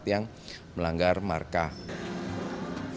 yang melanggar marka jalan